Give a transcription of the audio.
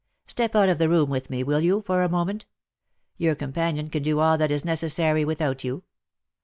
Step out of the room with me, will you, for a moment : your companion can do all that is necessary without you."